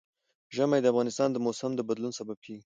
ژمی د افغانستان د موسم د بدلون سبب کېږي.